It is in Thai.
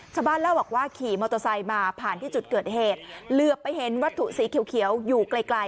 ชาวบ้านเล่าบอกว่าขี่มอเตอร์ไซค์มาผ่านที่จุดเกิดเหตุเหลือไปเห็นวัตถุสีเขียวอยู่ไกลไกล